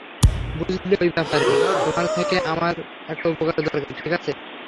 বুঝলে, ওই ব্যাপারে, তোমার থেকে আমার একটা উপকার দরকার, ঠিক আছে?